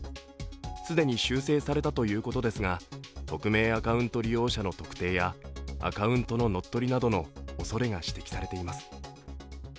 既に修正されたということですが、匿名アカウント利用者の特定やアカウントの乗っ取りなどのおそれが指摘されています。